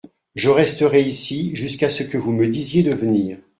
Je resterai ici jusqu’à ce que vous me disiez de venir.